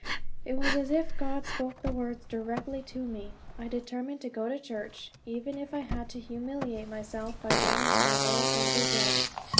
It was as if God spoke the words directly to me. I determined to go to church, even if I had to humiliate myself by going in my old winter dress.